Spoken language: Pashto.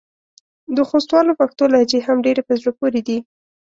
د خوستوالو پښتو لهجې هم ډېرې په زړه پورې دي.